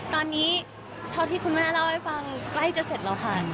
ตอนนี้เท่าที่คุณแม่เล่าให้ฟังใกล้จะเสร็จแล้วค่ะ